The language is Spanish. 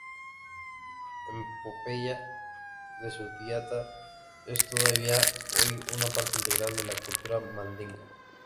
La epopeya de Sundiata es todavía hoy una parte integral de la cultura mandinga.